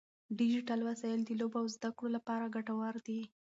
ډیجیټل وسایل د لوبو او زده کړو لپاره ګټور دي.